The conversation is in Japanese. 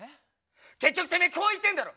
結局てめえこう言いてえんだろ。